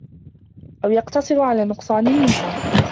أَوْ يَقْتَصِرَ عَلَى نُقْصَانٍ مِنْهَا